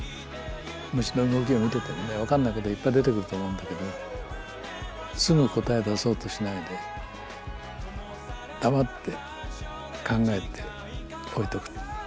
虫の動きを見ててもね分かんないこといっぱい出てくると思うんだけどすぐ答え出そうとしないで黙って考えて置いとく。